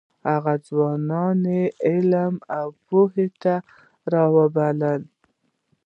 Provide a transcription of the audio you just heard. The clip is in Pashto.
هغه ځوانان علم او پوهې ته راوبلل.